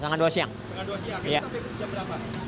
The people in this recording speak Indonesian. setengah dua siang jadi sampai jam berapa